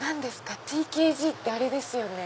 ＴＫＧってあれですよね。